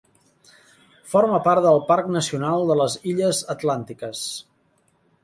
Forma part del Parc Nacional de les Illes Atlàntiques.